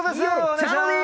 お願いしまーす。